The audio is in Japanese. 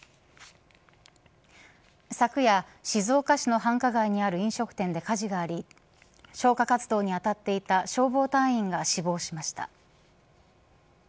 昨夜、静岡市の繁華街にある飲食店で火事があり消火活動に当たっていた消防隊員が死亡しました。